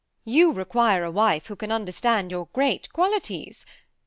You require a wife who can understand your great qualities.